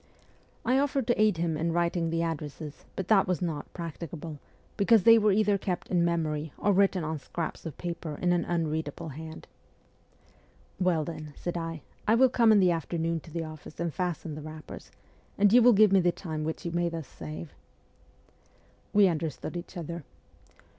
I offered to aid him in writing the addresses, but that was not practicable, because they were either kept in memory or written on scraps of paper in an unread able hand. ...' Well, then,' said I, ' I will come in the afternoon to the office and fasten the wrappers, and you will give me the time which you may thus save.' We understood each other.